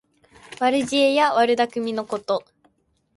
悪知恵や悪だくみのこと。